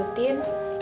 aku mau pergi